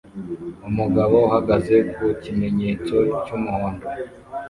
Umugabo uhagaze ku kimenyetso cy'umuhondo